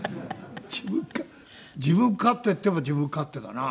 自分勝手っていえば自分勝手だな。